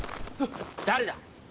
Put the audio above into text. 誰だ？